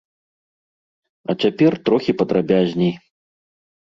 А цяпер трохі падрабязней.